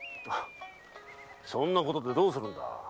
そんなことでどうするんだ。